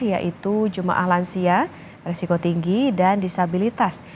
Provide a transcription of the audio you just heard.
yaitu jemaah lansia resiko tinggi dan disabilitas